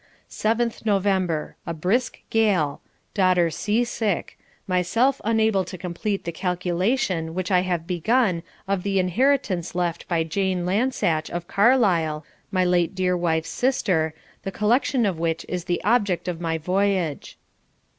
7th November a brisk gale daughter sea sick myself unable to complete the calculation which I have begun of the inheritance left by Jane Lansache of Carlisle, my late dear wife's sister, the collection of which is the object of my voyage.